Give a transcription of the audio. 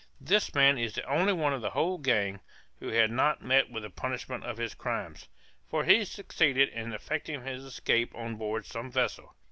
This man is the only one of the whole gang, who has not met with the punishment of his crimes, for he succeeded in effecting his escape on board some vessel.